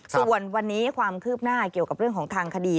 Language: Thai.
ส่วนวันนี้ความคืบหน้าเกี่ยวกับเรื่องของทางคดี